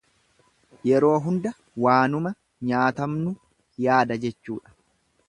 Yeroo hunda waanuma nyaatamnu yaada jechuudha.